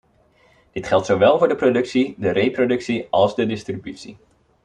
Dit geldt zowel voor de productie, de reproductie als de distributie.